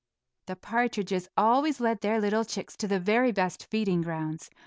The partridges always led their little chicks to the very best feeding grounds.